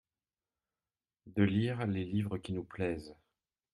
De lire les livres qui nous plaisent …